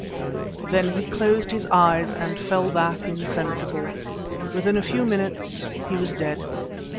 '" Then he closed his eyes and fell back insensible. Within a few minutes he was dead.